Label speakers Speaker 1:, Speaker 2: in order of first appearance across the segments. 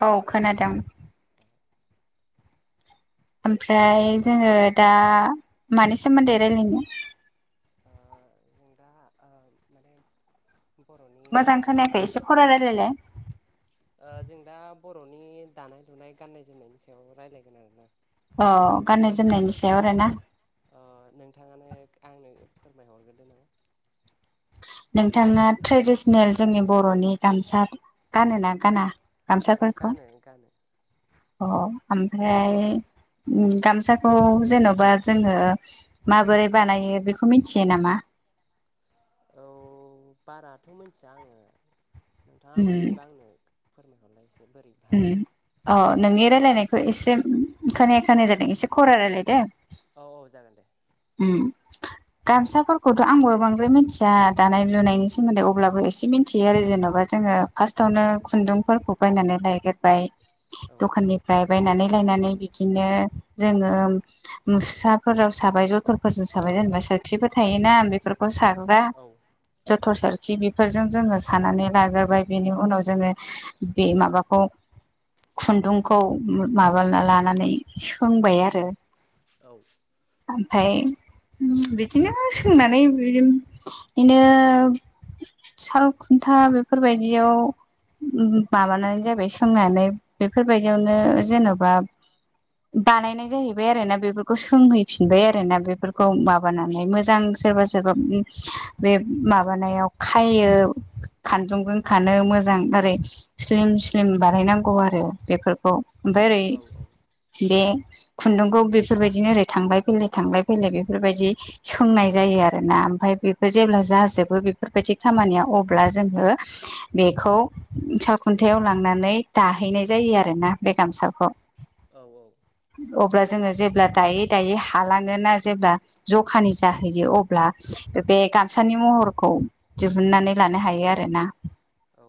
Speaker 1: ह औ खोनादों ‌। ओमफ्राय जोङो दा मानि सोमोन्दै राय्लायनो? [inaudible] मोजां खोनायाखै एसे खरा रायल्लायलाय
Speaker 2: ओ जों दा बर'नि दानाय लुनाय गान्नाय जोमनायनि सायाव रायलायगोन आरो ना।
Speaker 1: अ गाननाय जोमनायनि सायाव आरो ना।
Speaker 2: अ नोंथांङानो आंनो फोरमायहरगो दे नामा
Speaker 1: नोंथांङा ट्रेडिसनेल जोंनि बर'नि गामसा गानोना गाना
Speaker 2: अ गानो गानो।
Speaker 1: अ ओमफ्राय गामसाखौ जेन'बा जोङो माबोरै बानायो बेखौ मिथियो नामा? [inaudible]
Speaker 2: औ बाराथ' मोनथिया आङो नोंथाङा मोनथिबा आंनो [inaudible]
Speaker 1: उम औ नोंनि रायलायरानाय बेखौ एसे खानाया खानाय जादों एसे खरा रायलाय दे।
Speaker 2: औ औ जागोन दे
Speaker 1: उम गामसाफोरखौथ' आंबो बांद्राय मिथिया दानाय लुनायनि सोमोन्दै अब्लाबो एसे मिथियो आरो जेन'बा जोङो फारसयावनो खुनदुंफोरखौ बायनानै लायगोरबाय दखाननिफ्राय बायनानै गायनानै बिदिनो जोङो मुस्राफोराव साबाय जथरफोरजों साबाय जेनेबा सोरोरखिफोर थायोना बेफोरखौ [unintelligible] जोथोर सोरखि बेफोरजों जोङो सानानै लाग्रोबाय बेनि उनाव जोङो बे माबाखौ खुन्दुंखौ माबा लानानै सोंबाय आरो
Speaker 2: औ
Speaker 1: ओमफाय बिदिनो सोंनानै बिदिनो [unintelligible] साल खुन्था बेफोरबायदियाव माबानानै जा [unintelligible] सोंनानै बेफोरबायदियावनो जेन'बा बानायनाय जाहैबाय आरो ना बेफोरखौ सोंहैफिनबाय आरो ना बेफोरखौ माबानानै मोजां सोरबा सोरबा उम बे माबानायाव खायो खानजुजों खानो मोजां ओरै स्लिम स्लिम बार बायनांगौ आरो बेफोरखौ ओमफाय ओरै बे खुन्दुंखौ बेफोरबायदिनो ओरै थांलाय फैलाय थांलाय फैलाय बेफोरबायदि सोंनाय जायो आरो ना। ओमफफ्राय बेबो जेब्ला जाजोबो बेफोरबायदि खामानिया अब्ला जोङो बेखौ साल खुन्थायाव लांनानै दाहैनाय जायो आरो ना बे गामसाखौ।
Speaker 2: औ औ
Speaker 1: अब्ला जोङो जेब्ला दायै दायै हालाङो ना जेब्ला जखानि जाहैयो अब्ला बे गामसानि महरखौ दिहुुननानै लानो हायो आरोना
Speaker 2: औ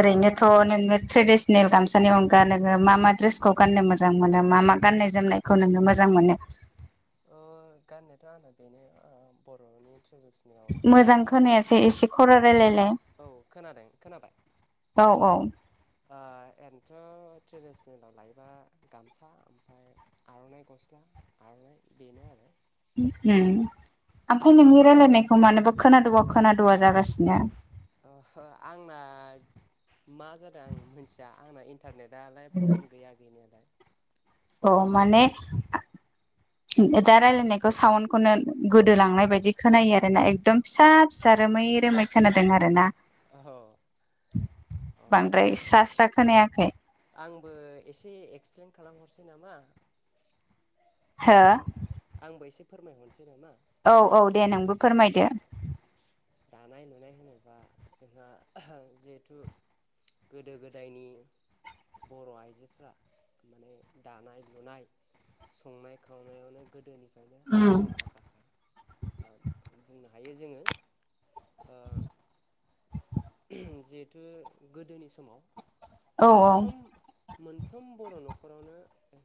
Speaker 1: ओरैनोथ' नोङ ट्रेडिसनेल गामसानि अनगा नोङ मा मा ड्रेसखौ गाननो मोजां मोनो मा मा गाननाय जोमनायखौ नोंनो मोजां मोनो?
Speaker 2: गानोथ' आंना बेनो औ बर'नि औ खोनादों खोनाबाय
Speaker 1: औ औ
Speaker 2: आ अंथ' ट्रेडिसनेलाव लायोबा गामसा ओमफ्राय आर'नाइ गस्ला आर
Speaker 1: उम ओमफ्राय नोंनि रायलायनायखौ मानोबा खोनादा खोनादा जागासिनो।
Speaker 2: ओ आंना मा होनो आं मिथिया आंना इन् इन्टारनेट आलाय प्रब्लेम गैया गैनायालाय
Speaker 1: अ माने। दा रायलायनायखौ साउनखौनो गोदोलांनाय बायदि खोनायो आरो ना एकदम फिसा फिसा रोमै रोमै खोनादों आरोना बांद्राय स्रा स्रा खोनायाखै
Speaker 2: आंबो एसे एक्सप्लेन खालामहरसै नामा।
Speaker 1: हो
Speaker 2: आंबो एसे फोरमायहरनोसै नामा
Speaker 1: औ औ दे नोंबो फोरमायदो
Speaker 2: दानाय लुनाय होनोबा जोंहा जिहेथु गोदो-गोदायनि बर'आइजोफ्रा माने दानाय-लुनाय संनाय खावनायावनो गोदोनिफ्राय।
Speaker 1: औ
Speaker 2: हायो जोङो ओ जिहेथु गोदोनि समाव मोनफ्रोम मोनफ्रोम बर' न'खरावनो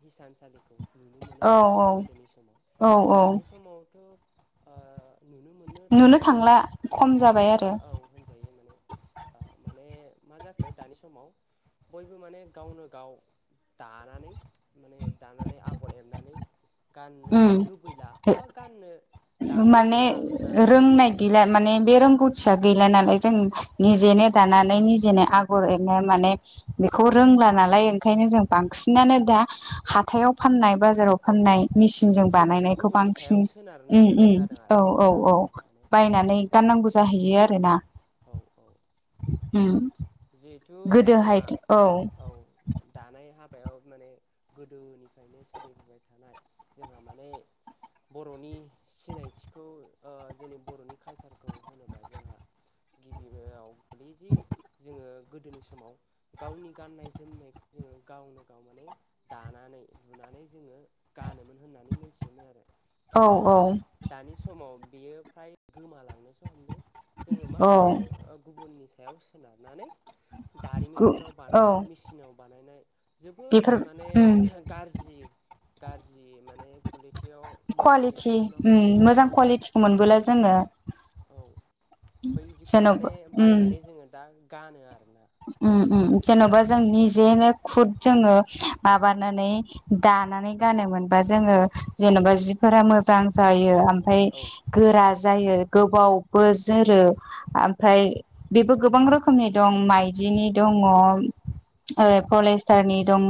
Speaker 2: हिसानसालि नुनो मोनोमोन आरोना गोदोनि समाव दानि समावथ' नुनो मोनो थांलानो होन थांला औ होनजायो माने
Speaker 1: [inaudible]
Speaker 2: माने मा जाखो दानि समाव बयबो माने गावनो गाव। दानानै माने दानानै आगर एरनानै गाननो लुबैला बा गाननो।
Speaker 1: माने रोंनाय गैला माने बे रोंगौथि गैला नालाय जों निजिनो दानानै निजेनो आगर एरनो माने बेखौ रों नालाय ओंखायनो जों बांसिनानो दा हाथायाव फाननाय बाजाराव फाननाय मेसिनजों बानायनायखौ बांसिन उम औ औ औ बायनानै गाननांगौ जाहैयो आरोना
Speaker 2: औ जिहेथु जोंहा औ दानाय हाबायाव माने गोदोनिफ्रायनो सोलिबोबाय थानाय जोंहा माने बर'नि सिनायथिखौ ओ जोंनि बर'नि कालसारखौ होनोबा जोंहा। गिबियाव ब्रैजि। जोङो गोदोनि समाव गावनि गाननाय जोमनायखौ जोङो गावनो गाव माने दानानै लुनानै जोङो गानोमोन होननानै मोनथियोमोन आरो। खिन्थु दानि समाव बियो फ्राय गोमालांनोसो हमदों। जोङो मा खालामो गुबुननि सायाव सोनारनानै।
Speaker 1: [inaudible]
Speaker 2: दारिमिनफोराव बानायनाय मिसिनाव बानायनाय जोबोद माने गारजि गाज्रि मोन
Speaker 1: कुवालिटि ओम मोजां कुवालिटिखौ मोनबोला जोंङो
Speaker 2: औ बै बिदिखौ माने बायनानै जोङो दा गानो आरो न।
Speaker 1: अम अम जेनेबा जों निजेनो खुद जोङो माबानानै दा दानानै गानोमोनबा जोङो जेन'बा जिफोरा मोजां जायो। ओमफ्राय गोरा। जायो गोबावबो जोरो ओमफ्राय बेबो गोबां रोखोमनि दं माइ बिदिनि दंङ ओरै प'लेस्टारनि दंङ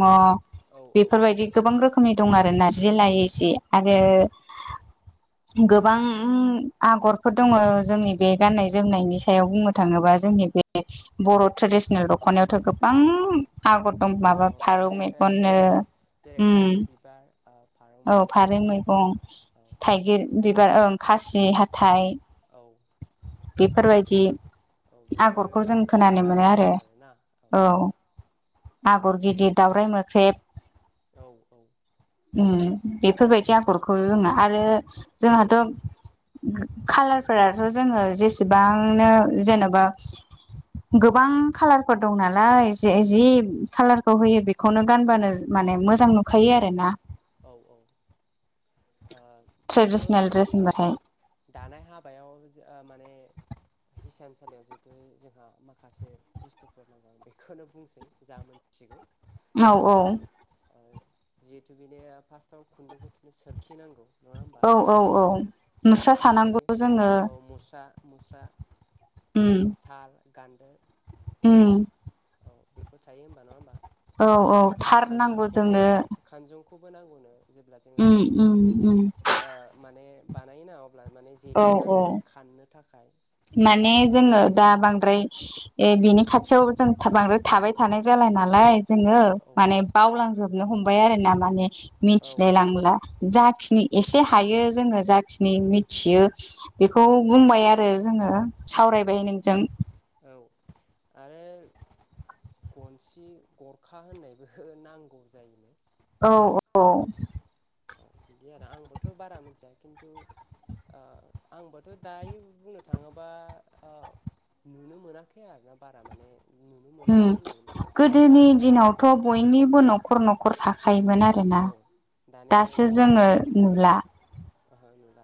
Speaker 1: बेफोरबायदि गोबां रोखोमनि दं आरो नारजि लायो जि आरो। [inaudible] गोबां आगरफोर दङ जोंनि बे गाननाय जोमनायनि सायाव बुंनो थाङोबा जोंनि। [unintelligible] बर' ट्रेडिसनेल दख'नायावथ' गोबां आगर दं माबा फारौ मेगननो ओम औ फारौ मैगन थाइगिर बिबार ओं खासि हाथाय। बेफोरबायदि आगरखौ जों खोनानो। मोनो आरो औ आगर गिदिर दाावराइ मोख्रेब।
Speaker 2: औ औ।
Speaker 1: बेफोरबायदि आगरखौ जोंना आरो जोंहाथ' खाालारफोराथ' जोङो जेसेबांनो जेन'बा। गोबां कालारफोर दं नालाय जे-जि खाालारखौ होयो बेखौनो गानबानो माने मोजां नुखायो आरो ना,
Speaker 2: औ औ ओ जिहेथु औ दानाय हाबायाव ओ माने
Speaker 1: [inaudible]
Speaker 2: हिसानसालियाव जिहेतु जोंहा माखासे बुस्थुफोर नांगौं बेखौनो बुंसै जा मोनथिगौ।
Speaker 1: औ औ
Speaker 2: जिहेथु बेनि फास्टआव खुन्दुंखौ थुनो सोरखिनांगौ
Speaker 1: औ औ औ मुस्रा सानांगौ जोङो
Speaker 2: मुस्रा ओमफ्राय साल गान्दो।
Speaker 1: उम
Speaker 2: औ बेखौ थायो हबा नङा होमबा
Speaker 1: औ औ थार नांगौ जोंनो
Speaker 2: खौबो नांगौनो जेब्ला जोंङो खुन्दुंखौ ओ माने बानायो नांव अब्ला माने जेथो नाङैनि खाननो थाखाय
Speaker 1: माने जोङो दा बांद्राय बिनि खाथियाव जों बांद्राय थाबाय थानाय जाला बाय नालाय जोङो माने बावलांजोबनो हमबाय आरो ना माने मिथिलाय लांला जाखिनि एसे हायो जोङो जाखिनि मिथियो बेखौ बुंबाय आ आरो जोङो सावरायबाय नोंजों
Speaker 2: आरो गनसि गरखा होननायबो नांगौ जायोनो
Speaker 1: औ औ
Speaker 2: औ बिदि आरो आंबोथ' बारा मोनथिया खिन्थु। आंबोथ' दायो बुंनो थाङोबा नुनो मोनाखै आरो ना बारा माने
Speaker 1: ओ गोदोनि दिनावथ' बयनिबो न'खर न'खर थाखो। थाखायोमोन आरोना दासो जोङो नुला
Speaker 2: ओहो नुला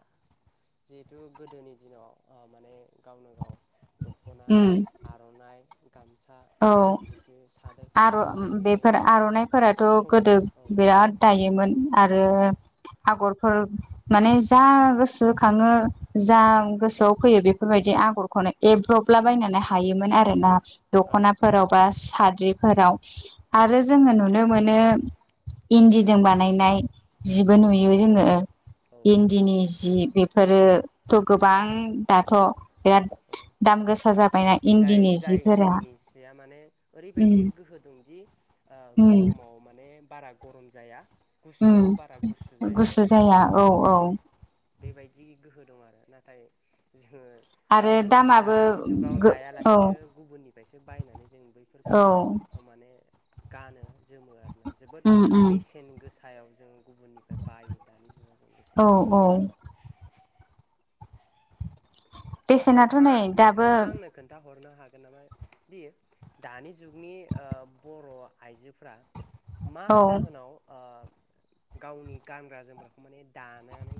Speaker 2: जिहेथु गोदोनि दिनाव ओ माने गावनो गाव दख'ना आर'नाइ। गामसा जितु सादोरफोरखौ जोङो माने औ सम औ
Speaker 1: बिराद दायोमोन आरो आगर ओ माने जा गोसो खाङो जा गोसोआव फैयो बेफोरबायदि आगरखौनो माने एब्र'बला बायनानै हायोमोन आरो ना दख'नाफोराव बा साद्रिफोराव आरो जोंङो नुनो मोनो, इन्दिजों बानायनाय जिबो नुयो जोङो। इन्दिनि जि बेफोरोथ' गोबां दाथ'। बिराद दाम गोसा जाबायना इन्दिनि जिफोरा।
Speaker 2: मानसिया माने ओरैबायदि गोहो दं दि ओ ग'रमाव माने बारा गरम जाया। गुसुआव बारा गुसु जाया माने औ बेबायदि गोहो दं आरो नाथाय जोङो गावनो दानि जुगाव दायालासिनो गुबुननिफ्रायसो बायनानै जों बैफोरखौ
Speaker 1: [inaudible]
Speaker 2: गानो जोमो आरोना जोबोद बेसेन गोसायाव जों गुबुननिफ्राय बायो दानि जुगाव जों बेखौ
Speaker 1: बेसेनाथ' नै दाबो
Speaker 2: हरनो हागोन नामा दि दानि जुगनि बर' आइजोफ्रा मा जाहोनाव ओ गावनि गानग्रा जोमग्राखौ माने दानानै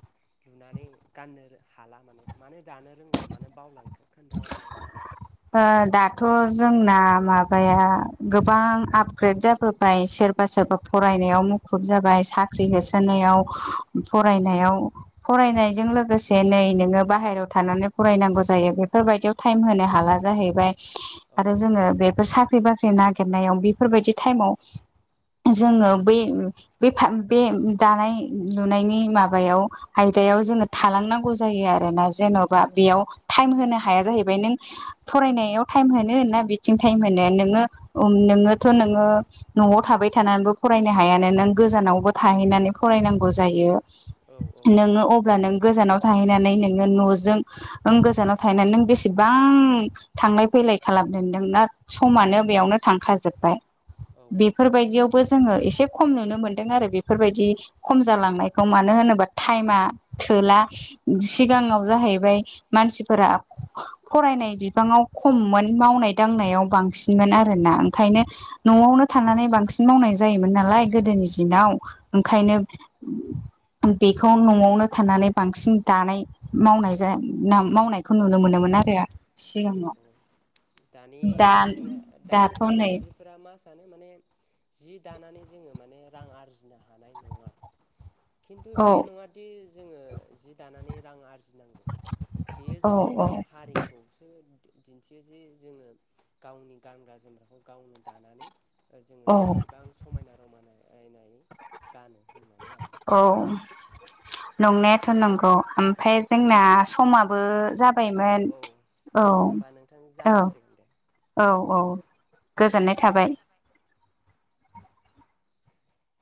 Speaker 2: लुनानै गाननो हाला माने मानो दानो रोंला मानो बावलांखो
Speaker 1: ओ दा थ' जोंना माबाया गोबां आपग्रेड जाबोबाय सोरबा सोरबा फरायनाय फरायनायाव मुखुब जाबाय साख्रि होसोनायाव फरायनायाव फरायनायजों लोगोसे नै नोङो बाहेरायाव थानानै फरायनांगौ जायो बे फोरबायायदियाव टाइम होनो हाला जाहैबाय आरो जोङो बेफोर साख बाख्रि बाख्रि नागिरनायाव बेफोरबायदि टाइमाव जोङो ब बे दानाय लुनायनि माबायाव आयदा जोङो थालांनांगौ जायो आरोोना जेन'बा बेयाव टाइम होनो हाया जाहैबाय नों फरायनायाव थाइमहोनो ना बिथिं थाइम होनो नोङो उम नोङोथह नोङो न'आव थाबाय थानानैबो फरायनो हायानो नों गोजानावबो थाहैनानै फरायनांगौ जायो नोङो अब्ला नों गोजानाव थाहैनानै नोङो न'जों नों गोजानाव नाथाय ना नों बेसेबां थांलाय फैलाय खालामदोंेनदों ना समानो बेयावनो थांखाजोबबाय बेफोरबायदियावबो जोङो एसे खम नुनो मोनदों आरो बेफोरबायदि खम जालांनायखौ मानो होनोबा टाइमा सिाव जबाय मानसि फोर फरायनाय बिबाङाव खममोन मावनाय दांनायाव बांसिनमोन आरोना। ओंखाय न'आवनो थानानै बांसिन मावनाय जायोमोन नालाय गोदोनि दिनाव। ओंखायनो बेखौ न'आवनो थानानै बांसिन दानाय मावनाय मावनाय खौ नुनो मोनोमोन आरो।
Speaker 2: औ औ दानिनि दानि जुगनि आइजोफोरा मा मानो माने जि दानानै जोङो माने रां आरजिनो हानाय नङा। खिन्थु बे नङााद जोङो जि दानानै रां आरजि बेयो जोंनि माने हारिखौ दिन्थियो जे जोङो गावनि गानग्रा जोमग्राखौ गावनो दानानै जोङो बेसेबां समायना रमायनाय गानो होनो
Speaker 1: औ। नंनायाथ' नंगौ ओमफ्राय जोंना समाबो जाबायमोन औ औ औ औ। गोजोननाय थाबाय।